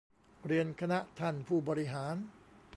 เรียนคณะท่านผู้บริหาร